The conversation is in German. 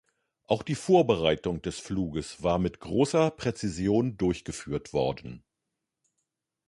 Auch die Vorbereitung des Fluges war mit großer Präzision durchgeführt worden.